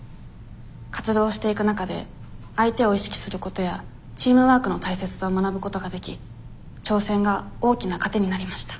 活動していく中で相手を意識することやチームワークの大切さを学ぶことができ挑戦が大きな糧になりました。